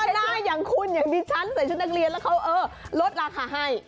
ไม่ใช่ว่าหน้าอย่างคุณอย่างดิฉันใส่ชุดนักเรียนแล้วเขาลดราคาให้